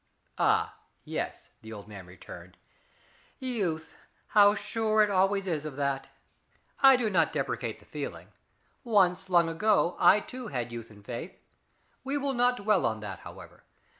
"Ah, yes," the old man returned. "Youth how sure it always is of that. I do not deprecate the feeling. Once, long ago, I, too, had youth and faith. We will not dwell on that, however.